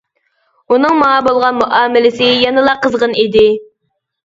ئۇنىڭ ماڭا بولغان مۇئامىلىسى يەنىلا قىزغىن ئىدى.